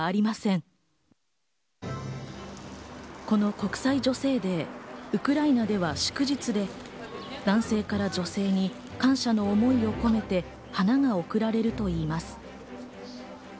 この国際女性デー、ウクライナでは祝日で、男性から女性に感謝の思いを込めて花が贈られるといいます。